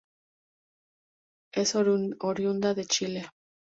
Es oriunda de Chile.